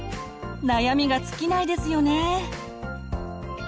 悩みが尽きないですよね。